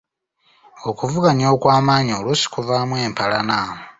Okuvuganya okw’amaanyi oluusi kuvaamu empalana.